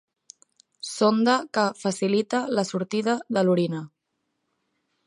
Sonda que facilita la sortida de l'orina.